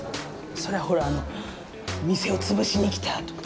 それはほらあの店を潰しに来たとか。